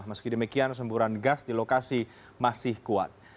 meski demikian semburan gas di lokasi masih kuat